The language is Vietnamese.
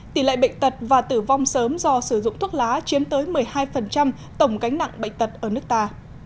tỷ lệ bệnh tật và tử vong sớm do sử dụng thuốc lá chiếm tới một mươi hai tổng gánh nặng bệnh tật ở nước ta